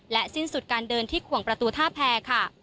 สิ้นสุดการเดินที่ขวงประตูท่าแพรค่ะ